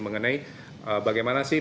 mengenai bagaimana sih